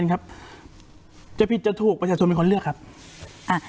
ครับจะผิดจะถูกประชาชนเป็นคนเลือกครับอ่า